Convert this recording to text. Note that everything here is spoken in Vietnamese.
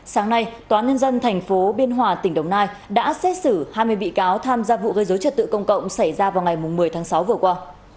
sáng nay tòa nhân dân tp biên hòa tỉnh đồng nai đã xét xử hai mươi bị cáo tham gia vụ gây dối trật tự công cộng xảy ra vào ngày một mươi tháng sáu vừa qua